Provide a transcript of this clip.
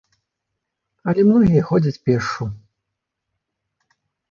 Але многія ходзяць пешшу.